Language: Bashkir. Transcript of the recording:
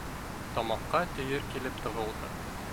Тамаҡҡа төйөр килеп тығылды.